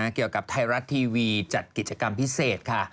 เกี่ยวกับไทยรัฐทีวีจัดกิจกรรมพิเศษค่ะ